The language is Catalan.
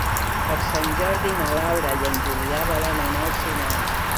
Per Sant Jordi na Laura i en Julià volen anar al cinema.